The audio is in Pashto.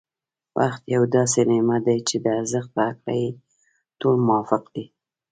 وخت یو داسې نعمت دی چي د ارزښت په هکله يې ټول موافق دی.